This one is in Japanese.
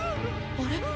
あれ？